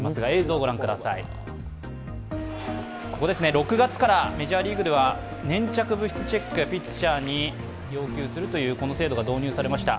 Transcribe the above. ６月からメジャーリーグでは粘着物質チェック、ピッチャーに要求するという制度が導入されました。